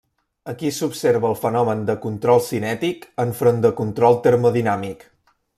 Aquí s’observa el fenomen de control cinètic enfront de control termodinàmic.